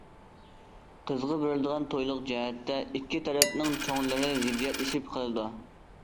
قىزغا بېرىلىدىغان تويلۇق جەھەتتە ئىككى تەرەپنىڭ چوڭلىرى زىددىيەتلىشىپ قالىدۇ.